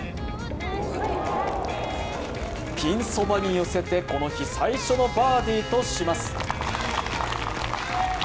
ピンそばに寄せてこの日最初のバーディーとします。